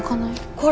これ。